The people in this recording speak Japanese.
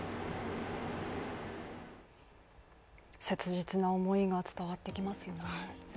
切実な思いが伝わってきますよ。